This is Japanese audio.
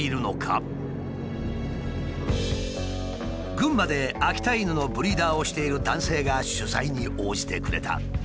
群馬で秋田犬のブリーダーをしている男性が取材に応じてくれた。